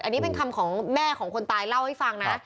อันนี้เป็นคำของแม่ของคนตายเล่าให้ฟังนะ